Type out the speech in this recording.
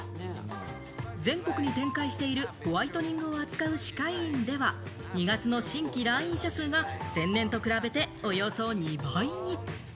全国に展開しているホワイトニングを扱う歯科医院では、２月の新規来院者数が前年と比べて、およそ２倍に。